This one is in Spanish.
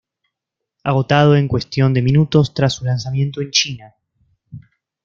Agotado en cuestión de minutos tras su lanzamiento en China.